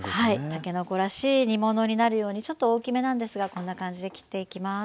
たけのこらしい煮物になるようにちょっと大きめなんですがこんな感じで切っていきます。